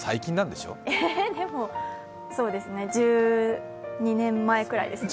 でもそうですね１２年前くらいですね。